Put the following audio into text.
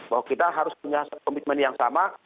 bahwa kita harus punya komitmen yang sama